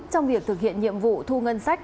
trong việc thực hiện nhiệm vụ thu ngân sách